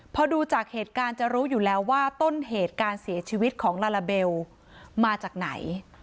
พอดูจากเหตุการณ์จะรู้อยู่แล้วว่าต้นเหตุการเสียชีวิตของลาลาเบลมาจากไหน